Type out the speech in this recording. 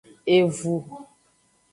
Evu.